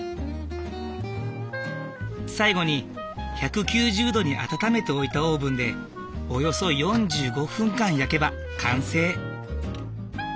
最後に１９０℃に温めておいたオーブンでおよそ４５分間焼けば完成！